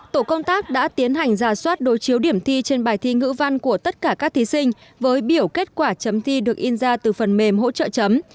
tổ công tác đã tiến hành giả soát đối chiếu điểm thi trên bài thi ngữ văn của tất cả các thí sinh với biểu kết quả chấm thi được in ra từ phần mềm hỗ trợ chấm